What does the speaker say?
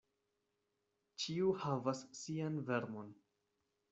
Ĉiu havas sian vermon.